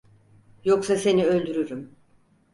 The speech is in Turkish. Yoksa seni öldürürüm.